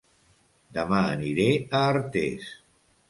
Dema aniré a Artés